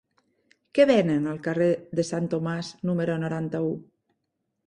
Què venen al carrer de Sant Tomàs número noranta-u?